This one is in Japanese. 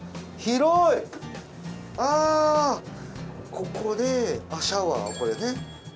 ここでシャワーをこれね。